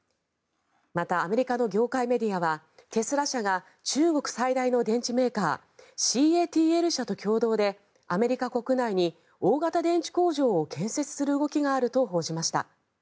また、アメリカの業界メディアはテスラ社が中国最大の電池メーカーＣＡＴＬ社と共同でアメリカ国内に大型電池工場を建設する動きがあると報じました。